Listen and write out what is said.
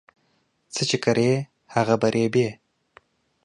څه چې کرې هغه په رېبې